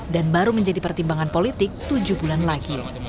dan baru menjadi pertimbangan politik tujuh bulan lagi